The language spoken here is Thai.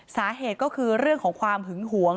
สาเหตุก็คือเรื่องของความหึงหวง